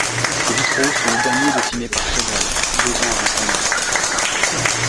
Ces vitraux sont les derniers dessinés par Chagall, deux ans avant sa mort.